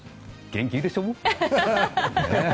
元気いいでしょ！